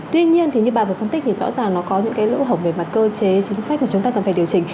tuy nhiên thì như bà vừa phân tích thì rõ ràng nó có những cái lỗ hổng về mặt cơ chế chính sách mà chúng ta cần phải điều chỉnh